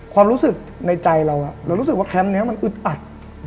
ความรู้สึกในใจเราเรารู้สึกว่าแคมป์นี้มันอึดอัด